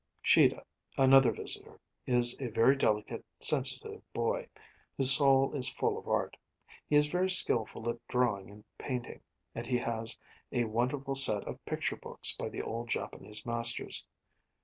Shida, another visitor, is a very delicate, sensitive boy, whose soul is full of art. He is very skilful at drawing and painting; and he has a wonderful set of picture books by the Old Japanese masters.